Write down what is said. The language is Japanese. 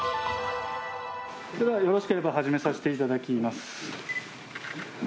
それでは、よろしければ始めさせていただきます。